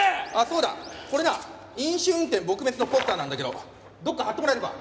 そうだこれな飲酒運転撲滅のポスターなんだけどどっか貼ってもらえるか？